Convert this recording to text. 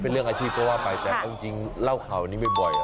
เป็นเรื่องอาชีพเพราะว่าปายแจ้งจริงเล่าข่าวนี้ไม่บ่อย